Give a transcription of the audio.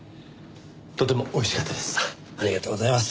とても美味しかったです。